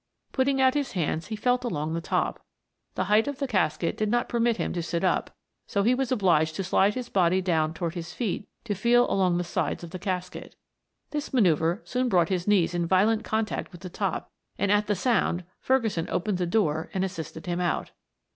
Putting out his hands he felt along the top. The height of the casket did not permit him to sit up, so he was obliged to slide his body down toward his feet to feel along the sides of the casket. This maneuver soon brought his knees in violent contact with the top, and at the sound Ferguson opened the door and assisted him out.